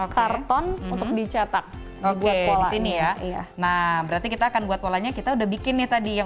karton untuk dicetak oke disini ya nah berarti kita akan buat polanya kita udah bikin nih tadi yang